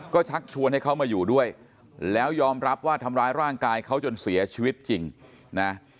ก็ชักชวนให้เขามาอยู่ด้วยแล้วยอมรับว่าทำร้ายร่างกายเขาจนเสียชีวิตจริงนะ